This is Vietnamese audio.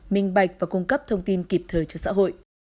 minh bạch và cung cấp thông tin kịp thời cho xã hội